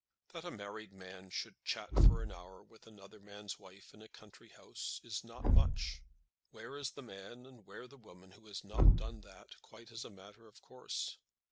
That a married man should chat for an hour with another man's wife in a country house is not much. Where is the man and where the woman who has not done that, quite as a matter of course?